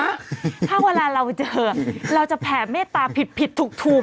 ถ้าเวลาเราเจอเราจะแผ่เมตตาผิดผิดถูก